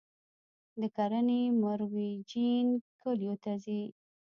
د کرنې مرویجین کلیو ته ځي